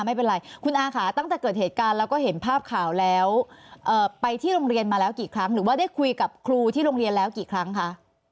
ไม่เป็นไรคุณอาค่ะตั้งแต่เกิดเหตุการณ์แล้วก็เห็นภาพข่าวแล้วไปที่โรงเรียนมาแล้วกี่ครั้งหรือว่าได้คุยกับครูที่โรงเรียนแล้วกี่ครั้งคะ